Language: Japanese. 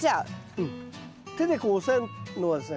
手でこう押さえるのはですね